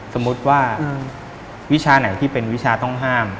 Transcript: สมมุติว่าวิชาไหนที่เป็นวิชาต้องห้าม